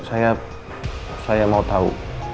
saya mau tau